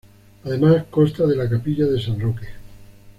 Además consta de la capilla de San Roque.